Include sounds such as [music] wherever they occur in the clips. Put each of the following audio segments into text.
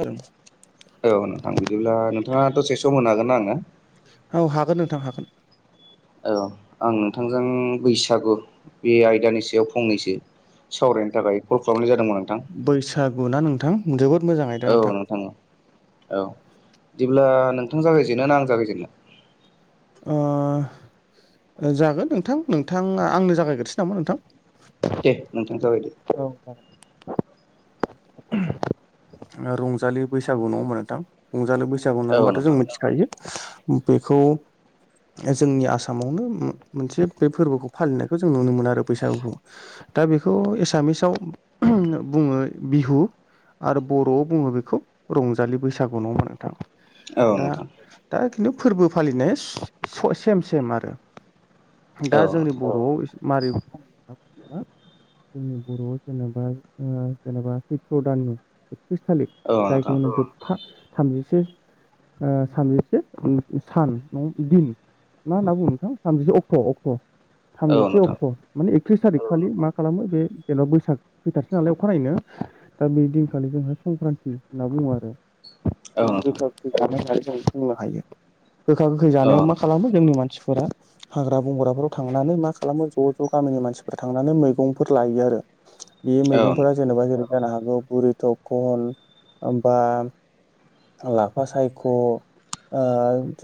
आरो औ नोंथां बिदिब्ला नोंथाङाथ' सेस' मोन हागोन ना आङो औ हागोन नोंथां हागोन औ आं नोंथांजों बैसागु बे आयदानि सायाव फंनैसो सावरायनो थाखाय कल खालामनाय जादोंमोन आं बैसागुना नोंथां जोबोद मोजाङै दा नोंथां औ बिदिब्ला नोंथां जागायजेनो ना आं जागायजेननो जागोन नोंथां नोंथाङा आंनो जागायग्रसै नामा नोंथां दे नोंथां जागायदो औ रंजालि बैसागु नङ मोथां रंजालि बैसागु जागौ औ होननानै होनोमबाथ' जों नोंथां मिथिखायो बेखौ जोंनि आसामावनो मोनसे बे फोरबोखौ फालिनायखौ जों नुनो मोनो आरो बैसागुखौ दा बेखौ एसामिसाव बुङो बिहु आरो बर'आव बुङो बेखौ रंजालि बैसागु नङा नोंथाङा औ दा नोंथां दा खिन्थु फोरबो फालिनाया सेम सेम आरो औ दा जोंनि नोंथां बर'आव मारै फ जोंनि बर'आव जेनेबा जेनेबा सैथ्र दाननि एकथ्रिस थारिख औ नोंथां जायखौनो जथा थामजिसे सामजिसे सान न दिन मा होनना बुङो नोंथां थामजिसे अक्ट' अक्ट' औ थामजिसे नोंथां अक्ट' माने एकथ्रिस थारिख खालि मा खालामो बे जेन'ा बैसाग फैथारसै नालाय अखानायैनो दा बे दिनखालि जोंहा संक्रान्ति होनना बुङो आरो औ नोंथां औ जों नोंथां गोखा गोखै जानाय होननानै जों बुंनो हायो गोखा गोखै औ जानायाव मा नोंथां खालामो जोंनि मानसिफोरा हाग्रा बंग्राफोराव थांनानै मा खालामो ज' ज' गामिनि मानसिफोर थांनानै मैगंफोर लायो आरो [inaudible] बे मैगंफोरा जेनेबा जेरै जानो हागौ बुरि थखन होमबा लाफा सायख' ओ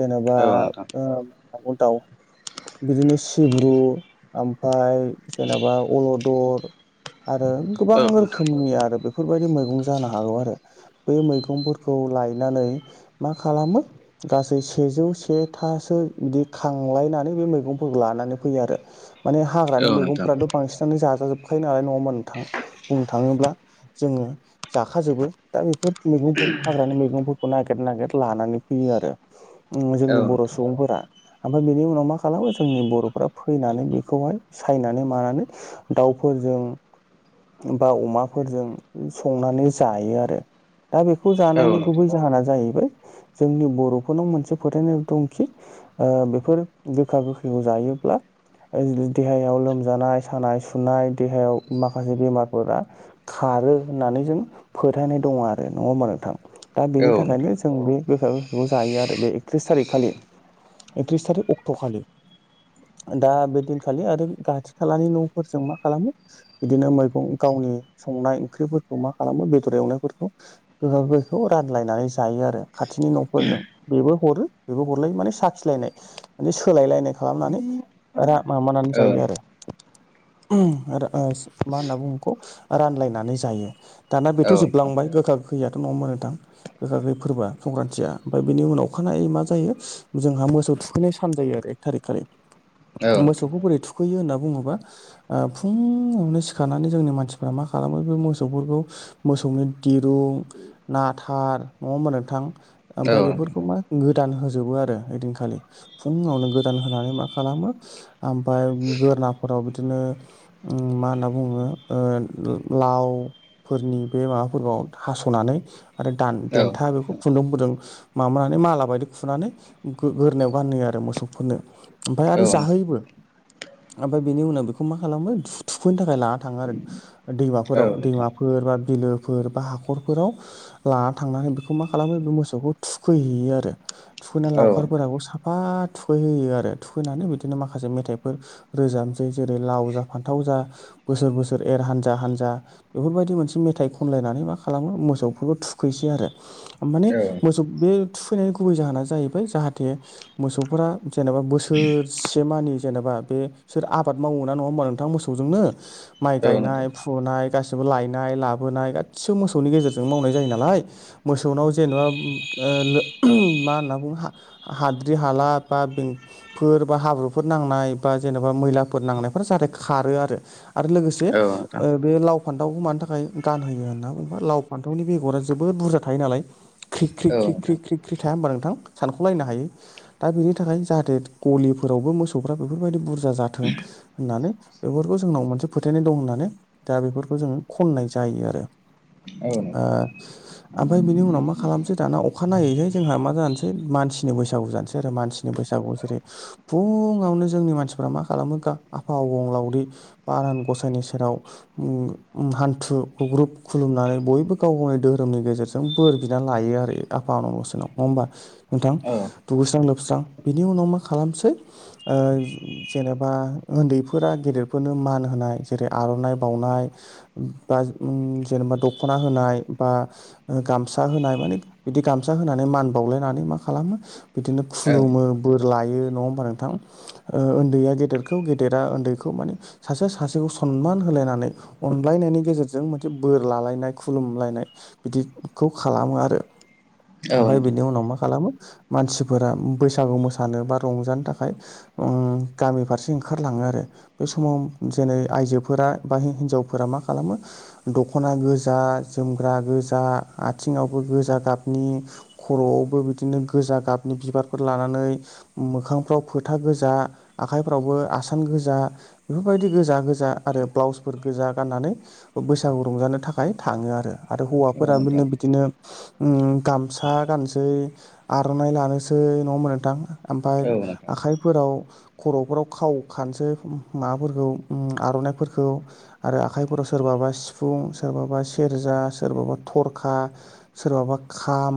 जेनेबा नोंथां औ नोंथां ओ दाव बिदिनो सिब्रु ओमफ्राय जेनेबा अलदर आरो गोबां रोखोमनि आरो बेफोरबायदि मैगं जानो हागौ आरो बे मैगंफोरखौ लायनानै मा खालामो गासै सेजौ सेथासो बिदि खांलायनानै बे मैगंफोरखौ लानानै फैयो आरो माने हाग्रानि औ नोंथां मैगंफोराथ' बांसिनानो जाजाजोबखायो नालाय नङा होनबा नोंथां बुंनो थाङोब्ला जोङो जाखाजोबो दा बेफोर मैगंफोर हाग्रानि मैगंफोरखौ नागिर नागिर लानानै फैयो आरो जोंनि बर' सुबुंफोरा ओमफ्राय बेनि उनाव मा खालामो जोंनि बर'फ्रा फैनानै बेखौहाय सायनानै मानानै दाउफोरजों बा अमाफोरजों संनानै जायो आरो दा बेखौ औ जानायनि नोंथां गुबै जाहोना जाहैबाय जोंनि बर'फोरनाव मोनसे फोथायनाय दंखि बेफोर गोखा गोखैखौ जायोब्ला देहायाव लोमजानाय सानाय सुनाय देहायाव माखासे बेमारफोरा खारो होननानै जों फोथायनाय दङ आरो नङा होमबा नोंथां दा बेनि औ नोंथां औ नोंथां औ नोंथां थाखायनो जों बे गोखा गोसखौ जायो आरो बे थ्रिस थारिक खालि एकथ्रिस थारिख अक्ट' खालि दा बे दिनखालि आरो खाथि खालानि न'फोरजों मा खालामो बिदिनो मैगं गावनि संनाय ओंख्रिफोरखौ मा खालामो बेदर एवनायफोरखौ गोखा गोखैखौ रानलायनानै जायो आरो खाथिनि न'फोरजों बेबो हरो बेबो हरलायो माने साखिलायनाय माने सोलायलायनाय खालामनानै रा माबानानै जायो आरो आरो मा होनना बुङखौ रानलायनानै जायो दाना बेथ' जोबलांबाय गोखा गोखैयाथ' नङा होमबा नोंथां गोखा गोखै फोरबोआ संक्रान्तथिया ओमफ्राय बेनि उनाव अखानाय मा जायो जोंहा मोसौ थुखैनाय सान जायो आरो एक थारिख खालि मोसौखौ बोरै थुखैयो होनना बुङोब्ला फुङावनो सिखारनानै जोंनि मानसिफ्रा मा खालामो बे मोसौफोरखौ मोसौनि दिरुं नाथार नङा होमबा नोंथां औ ओमफ्राय बेफोरखौ मा गोदान होजोबो आरो ओइदिनखालि फुङावनो गोदान होनानै मा खालामो ओमफ्राय गोरनाफोराव बिदिनो मा होनना बुङो ओ लाव फोरनि बे माबाफोरखौ हास'नानै आरो दान देन्था बेखौ खुन्दुंफोरजों माबानानै माला माबायदि खुनानै गोरनायाव गानहोयो आरो मोसौफोरनो ओमफ्राय आरो नोंथां जाहोयोबो ओमफ्राय बेनि उनाव बेखौ मा खालामो थुखैनो थाखाय लाना थाङो आरो। औ दैमाफोराव नोंथां दैमाफोर बा बिलोफोर बा हाखरफोराव लाना थांनानै बेखौ मा खालामो बे मोसौखौ थुखैहैयो आरो। थुखैनानै औ लावखारफोराबो साफा थुखैहोयो आरो थुखैनानै बिदिनो माखासे मेथाइफोर रोजाबसै जेरै लाव जा फान्थाव जा बोसोर बोसोर एर हान्जा हानजा बेफोरबायदि मोनसे मेथाइ खनलायनानै मा खालामो मोसौफोरखौ थुखैसै आरो। माने मोसौ बे थुखैनायनि गुबै जाहोना जाहैबाय जाहाथे। मोसौफोरा जेनेबा बोसोरसे मानि जेनेबा बे सोर आबाद मावो ना नङा होमबा नोंथां मोसौजोंनो माइ औ नोंथां गायनाय फुनाय गाैबो लायनाय लाबोनाय गासिबो मोसौनि गेजेरजों मावनाय जायो नालाय मोसौनाव जेन'बा [unintelligible] मा होनना बुङो हा- हाद्रि हाला बा बें फोर बा हाब्रुफोर नांनाय बा जेन'बा मैलाफोर नांनायफोरा जाहाथे खारो आरो आरो लोगोसे औ नोंथां ओ बे लाव फान्थावखौ मानि थाखाय गानहोयो होनना बुंङोबा लाव फान्थावनि बेगरा जोबोद बुरजा थायो नालाय ख्रि ख्रि औ ख्रि नोंथां ख्रि ख्रि ख्रि थाया होमबा नोंथां सानख'लायनो हायै दा बेनि थाखाय जाहाथे गलिफोरावबो मोसौफ्रा बेफोरबायदि बुरजा जाथों होननानै बेफोरखौ जोंनाव मोनसे फोथायनाय दं होननानै दा बेफोरखौ जोङो खननाय जायो आरो। औ नोंथां ओमफ्राय बिनि उनाव मा खालामसै दाना अखाानायनायैसाय जोंहा मा जानोसै मानसिनि बैसागु जानोसै आरो मानसिनि बैसागुआव जेरै फुङावनो जोंनि मानसिफ्रा मा खालामो आफा अबंलावदि आनान गसायनि सेराव हान्थु गुग्रुुब खुलुमनानै बयबो गाव गावनि धोरोमनि गेजेरजों बोर बिनानै लायो आरो आफा अनल'सनाव नङा होमबा नोंथां औ दुगैस्रां लोबस्रां बिनि उनाव मा खालामसै ओ जेनेबा उन्दैफोरा गेदेरफोरनो मान होनाय जेरै आर'नाइ बावनाय बाज उम जेनेबा दख'ना होनाय बा ओ गामसा होनाय माने बिदि गामसा होना मान बावलायनानै मा खालामो बिदिनो खुलुमो औ बोर लायो नङा होमबा नोंथां ओ ओन्दैया गेदेरखौ गेदेरा ओन्दैखौ माने सासेआ सासेखौ सनमान होलायनानै अनलायनायनि गेजेरजों मोनसे बोर लालायनाय खुलुमलायनाय बिदिखौ खालामो आरो नोंथां औ ओमफाय बिनि उनाव मा खालामो मानसिफोरा बैसागु मोसानो बा रंजानो थाखाय [unintelligible] गामि फारसे ओंखारलाङो आरो बे समाव जेनै आइजोफोरा बा हि-हिनजावफोरा मा खालामो दख'ना गोजा जोमग्रा गोजा आथिङावबो गोजा गाबनि खर'आवबो बिदिनो गोजा गाबनि बिबारफोर लानानै मोखांफ्राव फोथा गोजा आखाइफ्रावबो आसान गोजा बेफोरबायदि गोजा-गोजा आरो ब्लाउसफोर गोजा गाननानै बैसागु रंजानो थाखाय थाङो आरो आरो नोंथां हौवाफोराबोनो बिदिनो उम गामस हा गाननोसै आर'नाइ लानोसै नङा ओमबा नोंथां आमफाय औ नोंथां आखाइ फोराव खर'फोराव खाव खानसै माबाफोरखौ उम आर'नाइफोरखौ आरो आखाइफोराव सोरबाबा सिफुं सोरबाबा सेरजा सोरबाबा थरखा सोरबाबा खाम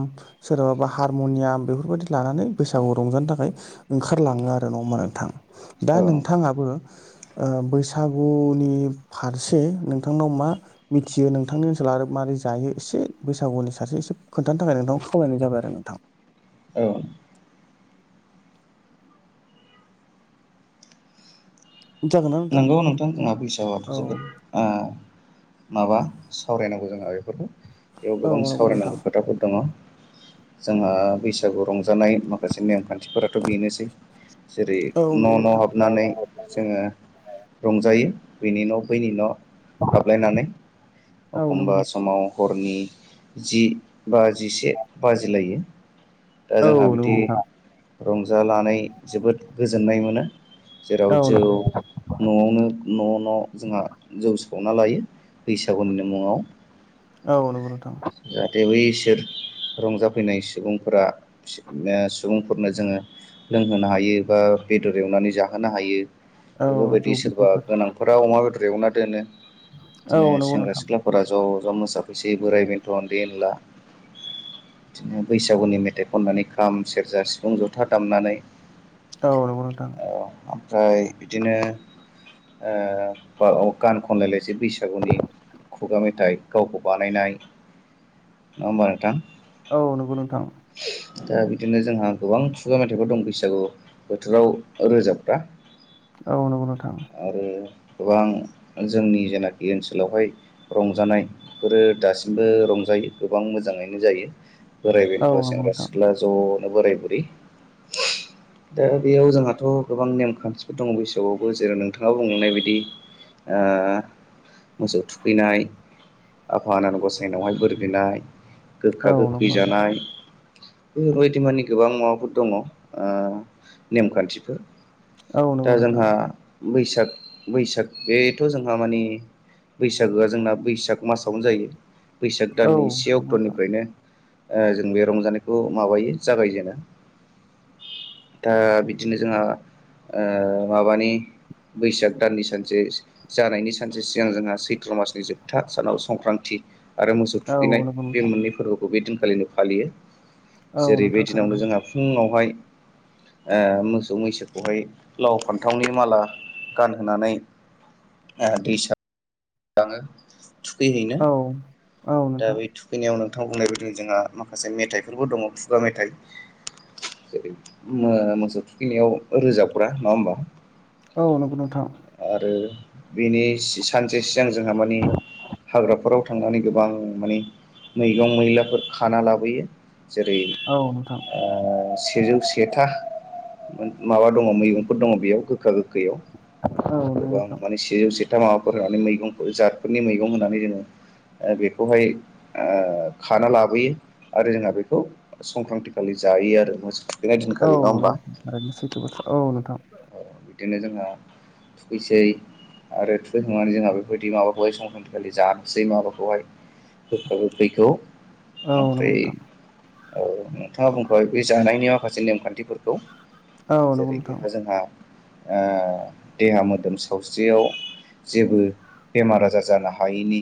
सोरबाबा हारमनियाम बेफोरबायदि लानानै बैसागु रंजानो थाखाय ओंखारलाङो आरो नङा होमबा नोंथां दा औ नोंथां नोंथाङाबो ओ बैसागुनि फारसे नोंथांनाव मा मिथियो नोंथांनि ओनसोलाव आरो मारै जायो इसे बैसागुनि सासे एसे खोन्थानो थाखाय नोंथां फमायनाय जाबाय आरो नोंथां औ जागोन ना नोंगौ नोंथां जोंहा बैसागुआथ' औ जोबोद माबा सावरायनांगौ जोंहा बेफोरखौ बेयाव औ गोबां नंगौ नोंथां सावरायनांगौ खोथाफोर दङ' जोंहा बैसागु रंजानाय माखासे नेमखान्थिफोराथ' बेनोसै जेरै औ नंगौ न' - न' नोंथां हाबनानै जोङो रंजायो बेनि न' बैनि न' हाबलायनानै औ नंगौ अखमबा समाव हरनि जि बा जिसे बाजिलायो दा जोंहा बिदि नोंथां रंजानानै जोबोद गोजोननाय मोनो जेराव औ जौ न'आवनो न'-न' जोंहा जौ सावना लायो बैसागुनिनो मुङाव औ नंगौ नोंथां जाहाथे बै इसोर रंजाफैनाय सुबुंफोरा [unintelligible] सुबुंफोरनो जोङो लोंहोनो हायो एबा बेदर एवनानै जाहोनो हायो औ बेफोरबायदि जौ सोरबा बिदैफोर गोनां फोरा अमा बेदर एवना दोनो औ बिदिनो नंगौ सेंग्रा नोंथां सिख्लाफोरा ज'-ज' मोसाफैसै बोराय बेन टवन्टिन ला बिदिनो बैसागुनि मेथाइ खननानै खाम सेरजा सिफुं जथा दामनानै थां औ ओमफ्राय बिदिनो ब गान खनलायलायस बैसागुनि खुगा मेथाइ गावखौ बानायनाय नङा होमबा नोंथां औ नंगौ नोंथां दा बिदिनो जोंहा गोबां खुगा मेथाइफोर दं बैसागु बोथोराव रोजाबग्रा औ नंगौ नोंथां आरो गोबां जोंनि जेनाखि ओनसोलावहाय रंजानायफोरो दासिमबो रंजायो गोबां मोजाङैनो जायो बोर औ गथ'आ नंगौ सेंग्रा नोंथां सिख्ला ज'नो बोराय बुरि दा बेयाव जोंहाथ' गोबां नेमखान्थिफोर दङ बैसागआवबो जेरै नोंथाङा बुंलांनाय बायदि मोसौ थुखैनाय आफा आनान गसायनायावहाय बोर बिनाय गोखा औ नंगौ गोखै नोंथां जानाय बेफोरबायदि मानि गोबां माबाफोर दङ नेमखान्थिफोर औ दा नंगौ नोंथां जोंहा बैसाग बैसाग बेथ' जोंहा मानिे बैसागोआ जोंना बैसाग मासावनो जायो बैसाग औ दाननि से नंगौ नोंथां अक्ट'निफ्रायनो जों बे रंजानायखौ माबायो जागायजेनो दा बिदिनो जोंहा माबानि बैसाग दाननि सानसे जानायनि सानसे सिगां जोंहा सैत्र' मासनि जोबथा सानाव संक्रान्ति आरो मोसौ औ थुखैनाय नंगौ बे नोंथां मोननै फोरबोखौ बे दिनखालिनो फालियो औ जेरै बे नोंथां दिनावनो थारैनो जोंहा फुङावहाय मोसौ मैसोखौहाय लाव फान्थावनि माला गानहोनानै हा दैसा लाङो थुखैहैनो औ औ दा नोंथां ब बेैनियाव नोंथांा बुंनाय बदों जोंहा माखासे मेथाइफोरबो दङ खुगा मेथाइ जेरै मोसौ थुखैनायाव रोजाबग्रा नङा होमबा औ नंगौ नोंथां आरो बेनि सानसे सिगां जोंहा मानिे हाग्राफोराव थांनानै गोबां माने मैगं मैलाफोर खाना लाबोयो जेरै औ नोंथां सेजौ सेथा माबा दङ मैगंफोर दङ बेयाव गोखा गोखैयाव औ नंगौ गोबां नोंथां माने सेजौ सथाम माबाफोर होनानै मैगंफोर जतफोरनि मैगं होनानै जोङो बेखौहाय खाना लाबोयो आरो जोंहा बेखौ संक्रान्ति खालि जायो आरो मोजां औ नथांारनो सैथो बोाथ्रा औ नोंथां बिदिनो जोंहा थुखैसै आरो थुैखांनानै जोंहा बेफोरबायदि माबाखौहाय संक्रान्तिखालि जानोसै माबाखौहाय गोखा गोखैखौ औ नंगौ मफ्राय नोंथां औ नोंथाङा बुंखबाय बे जानायनि माखासे नेमखान्थिफोरखौ औ नंगौ जेरै नोंथां बेहा जोंहा [unintelligible] देहा मोदोम सावस्रियाव जेबो बेमार आजार जानो हायैनि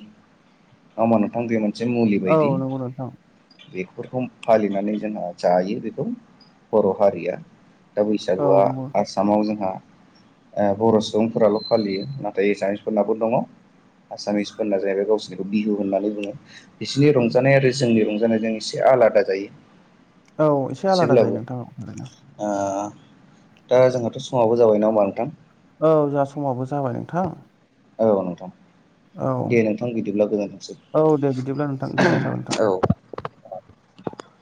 म मा नोंफां बे मोनसे मुलि औ बायदि नंगौ नोंथां बेफोरखौ फालिनानै जोंहा जायो बेखौ बर' हारिया दा औ बैसागुआ नंगौ आसामाव जोंहा बर' सुबुंफोराल' फालियो नाथाय एसामिसफोरनाबो दङ आसामिसफोरना जाहैबाय गावसनिखौ बिहु होननानै बुङो बिसोरनि रंजानाय आरो जोंनि रंजानायजों एसे आलादा जायो औ एसे आलादा जायो एसेब्लाबो नोंथां औ। दा जोंहाथ' समाबो जाबाय ना होमबा नोंथां? औ जा समाबो जाबाय नोंथां। औ नोंथां। औ दे नोंथां बिदिब्ला गोजोनथोंसै औ दे बिदिब्ला नोंथां गोजोननाय थाबाय औ नोंथां।